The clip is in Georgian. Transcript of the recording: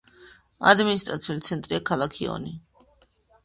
ადმინისტრაციული ცენტრია ქალაქი ონი.